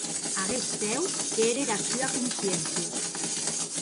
Aguest cèu qu’ère era sua consciéncia.